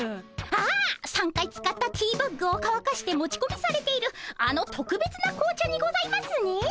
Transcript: ああ３回使ったティーバッグをかわかして持ちこみされているあのとくべつな紅茶にございますね。